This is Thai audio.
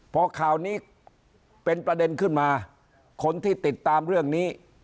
พอข่าวนี้เป็นประเด็นขึ้นมาคนที่ติดตามเรื่องนี้